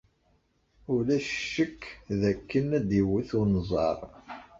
Ulac ccekk dakken ad d-iwet unẓar.